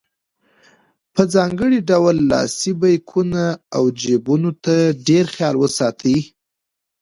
په ځانګړي ډول لاسي بیکونو او جیبونو ته ډېر خیال وساتئ.